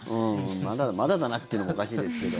まだだなというのもおかしいですけど。